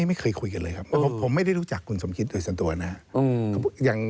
ไม่เคยคุยกันเลยครับผมไม่ได้รู้จักคุณสมคิดโดยส่วนตัวนะครับ